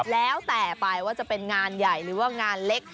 แล้วแต่ไปว่าจะเป็นงานใหญ่หรือว่างานเล็ก